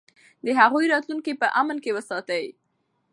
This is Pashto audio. د هغوی راتلونکی په امن کې وساتئ.